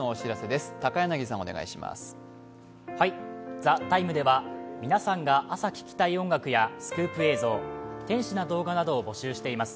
「ＴＨＥＴＩＭＥ，」では皆さんが朝聴きたい音楽やスクープ映像、天使な動画などを募集しています。